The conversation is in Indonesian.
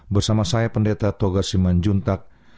bersama saya pendeta toga siman juntak